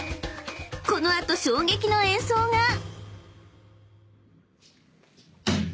［この後衝撃の演奏が！］